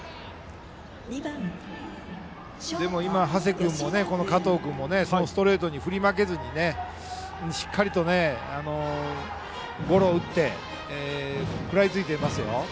今、長谷君も加統君もストレートに振り負けずにしっかりとゴロを打って食らいついていますよ。